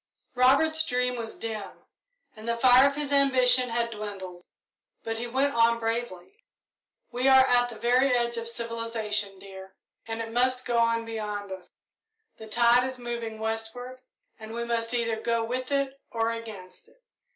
Robert's dream was dim and the fire of his ambition had dwindled, but he went on bravely. "We are at the very edge of civilisation, dear, and it must go on beyond us. The tide is moving westward, and we must either go with it or against it.